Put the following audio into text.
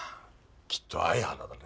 きっと相原だね。